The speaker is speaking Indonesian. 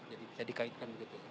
jadi bisa dikaitkan begitu